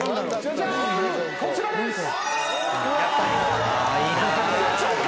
こちらです。